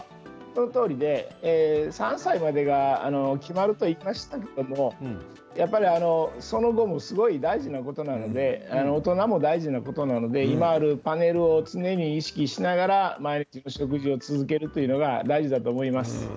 そのとおりで３歳までで決まると言いましたけれどもその後もすごい大事なことなので大人も大事なことなので今のパネルを常に意識しながら毎日の食事を続けるというのが大事だと思います。